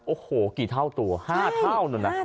โอ้โหกี่เท่าตัว๕เท่านะ